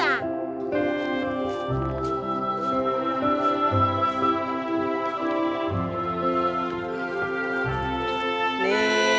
sarangu itu ya